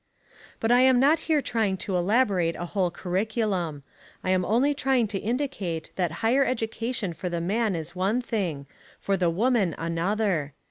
But I am not here trying to elaborate a whole curriculum. I am only trying to indicate that higher education for the man is one thing, for the woman another.